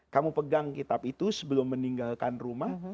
kamu pegang kitab itu sebelum meninggalkan rumah